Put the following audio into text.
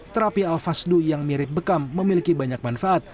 terapi al fasdu yang mirip bekam memiliki banyak manfaat